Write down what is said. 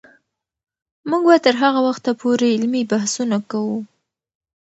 موږ به تر هغه وخته پورې علمي بحثونه کوو.